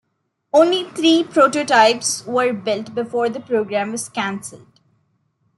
Only three prototypes were built before the program was cancelled.